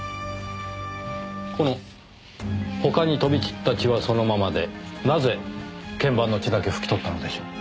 この他に飛び散った血はそのままでなぜ鍵盤の血だけ拭き取ったのでしょう？